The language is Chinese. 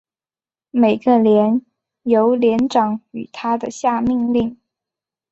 每个连由连长与他的下命令。